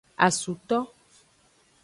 Asuto.